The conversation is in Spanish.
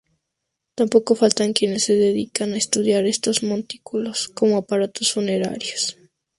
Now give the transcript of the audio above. Tampoco faltan quienes se dedican a estudiar estos montículos como aparatos funerarios.